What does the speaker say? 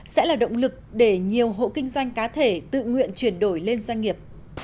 sẽ là động lực để nhiều hộ kinh doanh cá thể tự nguyện chuyển đổi lên doanh nghiệp